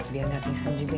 biar gak pingsan juga ya